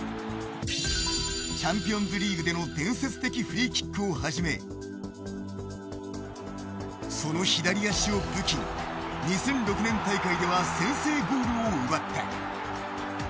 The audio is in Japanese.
チャンピオンズリーグでの伝説的フリーキックをはじめその左足を武器に２００６年大会では先制ゴールを奪った。